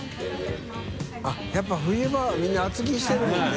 △やっぱ冬場はみんな厚着してるもんね。